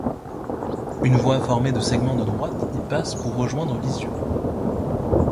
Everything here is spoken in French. Une voie, formée de segments de droite, y passe pour rejoindre Lisieux.